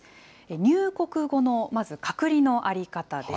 入国後のまず隔離の在り方です。